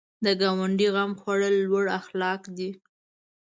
د ګاونډي غم خوړل لوړ اخلاق دي